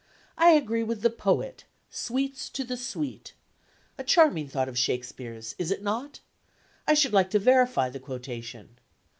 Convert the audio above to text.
I agree with the poet: 'Sweets to the sweet.' A charming thought of Shakespeare's, is it not? I should like to verify the quotation.